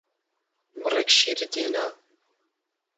بڕێک شیرت هێنا؟